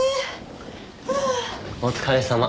お疲れさま。